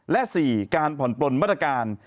และ๔การผ่อนปลนมาตรการ